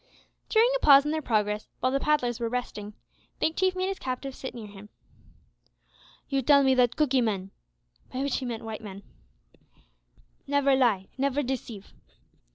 During a pause in their progress, while the paddlers were resting, Big Chief made his captive sit near him. "You tell me that Cookee men" (by which he meant white men) "never lie, never deceive."